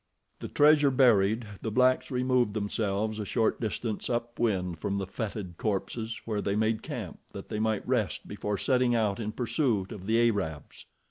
The treasure buried, the blacks removed themselves a short distance up wind from the fetid corpses, where they made camp, that they might rest before setting out in pursuit of the Arabs.